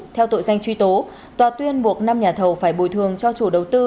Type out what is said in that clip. theo tội danh truy tố tòa tuyên buộc năm nhà thầu phải bồi thường cho chủ đầu tư